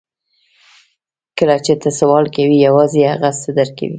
کله چې ته سوال کوې یوازې هغه څه درکوي